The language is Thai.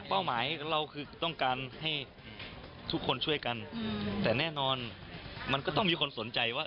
หมายเราคือต้องการให้ทุกคนช่วยกันแต่แน่นอนมันก็ต้องมีคนสนใจว่า